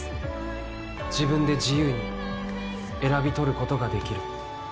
自分で自由に選び取ることができる。